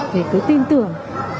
thì cứ tin tưởng